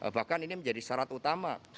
bahkan ini menjadi syarat utama